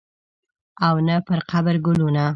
او نه پرقبر ګلونه